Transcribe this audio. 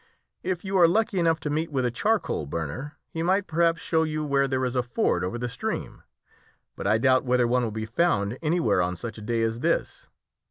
If you are lucky enough to meet with a charcoal burner, he might, perhaps, show you where there is a ford over the stream; but I doubt whether one will be found anywhere on such a day as this.